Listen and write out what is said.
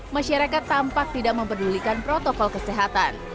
masyarakat tampak tidak mempedulikan protokol kesehatan